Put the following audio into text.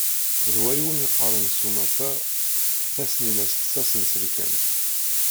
D wa iwumi qqaren s umata: Tasnilest tasenselkamt.